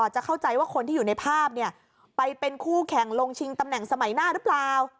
จะเข้าใจว่าคนที่อยู่ในภาพไปเป็นคู่แข่งลงชิงตำแหน่งสมัยหน้าหรือเปล่า